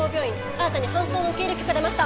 新たに搬送の受け入れ許可出ました！